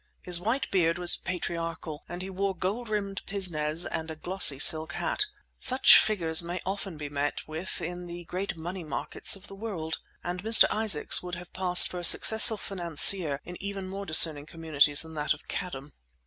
His white beard was patriarchal and he wore gold rimmed pince nez and a glossy silk hat. Such figures may often be met with in the great money markets of the world, and Mr. Isaacs would have passed for a successful financier in even more discerning communities than that of Cadham.